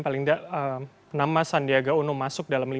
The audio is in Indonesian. paling tidak nama sandiaga uno masuk dalam lima